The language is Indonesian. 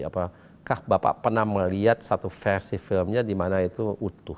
apakah bapak pernah melihat satu versi filmnya di mana itu utuh